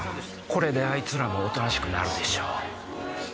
これであいつらもおとなしくなるでしょう。